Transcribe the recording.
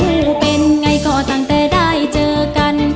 เป็นไงก็ตั้งแต่ได้เจอกัน